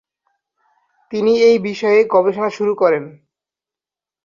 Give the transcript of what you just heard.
তিনি এই বিষয়ে গবেষণা শুরু করেন।